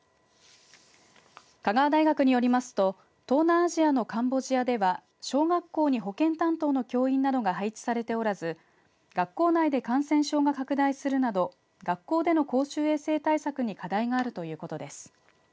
香川大学によりますと東南アジアのカンボジアでは小学校に保健担当の教員などが配置されておらず学校内で感染症が拡大するなど学校での公衆衛生対策に課題があるということです。